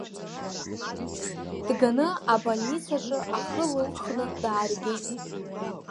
Дганы абольницаҿы ахы лылхны дааргеит.